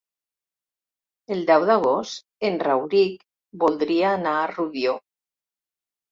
El deu d'agost en Rauric voldria anar a Rubió.